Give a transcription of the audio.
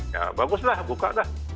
ya baguslah buka dah